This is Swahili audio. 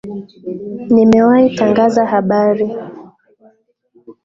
Nimewahi tangaza habari